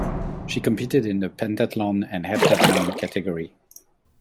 She competed in the pentathlon and heptathlon category.